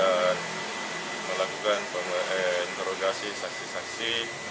dan melakukan pemerintah interogasi saksi saksi